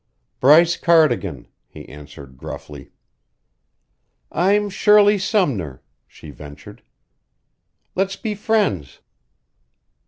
"Bryce Cardigan," he answered gruffly. "I'm Shirley Sumner," she ventured, "Let's be friends."